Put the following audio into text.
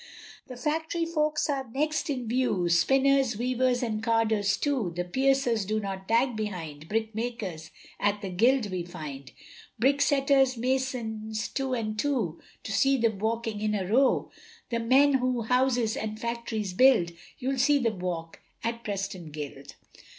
The factory folks are next in view, Spinners, weavers, and carders too, The piecers do not lag behind, Brickmakers at the Guild we find, Bricksetters, masons two and two, To see them walking in a row, The men who houses and factories build, You'll see them walk at Preston Guild.